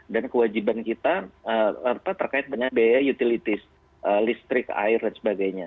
dan kewajiban kita terkait dengan biaya utilities listrik air dan sebagainya